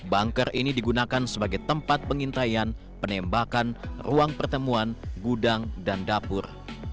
bunker ini digunakan sebagai tempat pengintaian penembakan ruang pertemuan gudang dan dapur